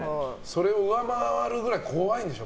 それを上回るくらい怖いんでしょ、